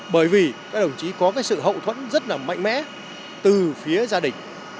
bởi vì các đồng chí có sự hậu thuẫn rất mạnh mẽ từ phía gia đình